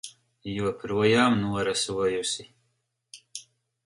Joprojām norasojusi.